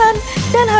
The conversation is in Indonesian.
dan harus menangkap